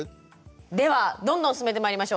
ではどんどん進めてまいりましょう。